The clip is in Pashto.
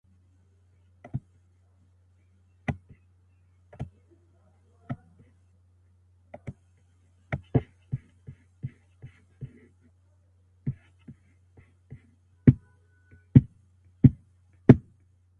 که نظریه عملي نسي نو مفهوم نلري.